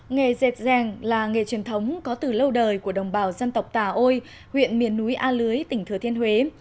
nghề dệt là nghề truyền thống có từ lâu đời của đồng bào dân tộc tà ôi huyện miền núi a lưới tỉnh thừa thiên huế